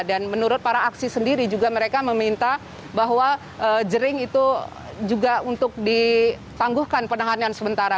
dan menurut para aksi sendiri juga mereka meminta bahwa jering itu juga untuk ditangguhkan penahanan sementara